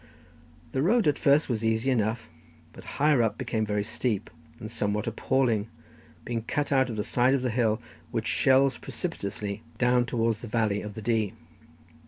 The road at first was easy enough, but higher up became very steep, and somewhat appalling, being cut out of the side of the hill which shelves precipitously down towards the valley of the Dee.